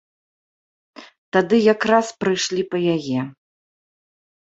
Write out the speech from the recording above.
Тады якраз прыйшлі па яе.